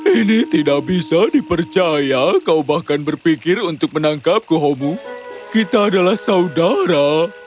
ini tidak bisa dipercaya kau bahkan berpikir untuk menangkapku hobu kita adalah saudara